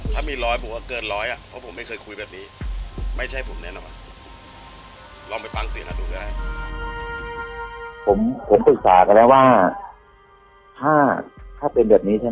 ถ้ามี๑๐๐บุคคล์เกิน๑๐๐อะเพราะผมไม่เคยคุยแบบนี้